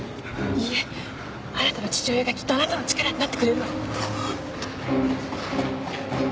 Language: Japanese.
いいえあなたの父親がきっとあなたの力になってくれるわ。